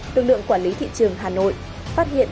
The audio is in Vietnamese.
đương đượng quản lý thị trường hà nội phát hiện